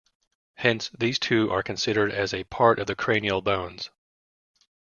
Hence, these two are considered as a part of the cranial bones.